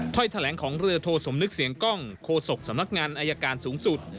ถ้อยแถลงของเรือโทสมนึกเสียงกล้องโคศกสำนักงานอายการสูงสุด